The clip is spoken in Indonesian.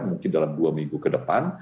mungkin dalam dua minggu ke depan